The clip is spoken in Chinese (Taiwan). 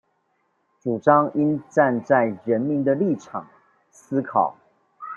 主張應站在人民的立場思考